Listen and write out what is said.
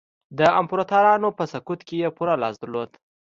د امپراتورانو په سقوط کې یې پوره لاس درلود.